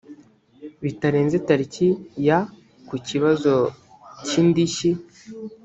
bitarenze tariki ya ku kibazo cy indishyi